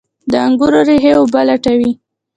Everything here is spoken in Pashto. د انګورو ریښې اوبه لټوي.